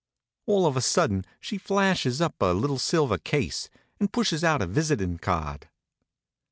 All of a sudden she flashes up a little silver case, and pushes out a visitin' card.